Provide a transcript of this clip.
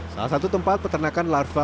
salah satu tempat peternakan larva